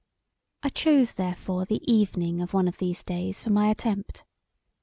I chose therefore the evening of one of these days for my attempt.